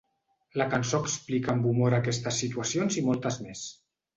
La cançó explica amb humor aquestes situacions i moltes més.